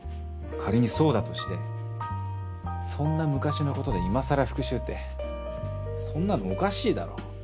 仮にそうだとしてそんな昔のことで今さら復讐ってそんなのおかしいだろ。